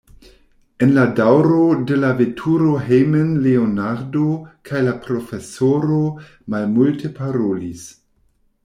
En la daŭro de la veturo hejmen Leonardo kaj la profesoro malmulte parolis.